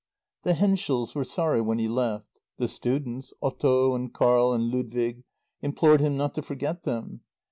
The Henschels were sorry when he left. The students, Otto and Carl and Ludwig, implored him not to forget them.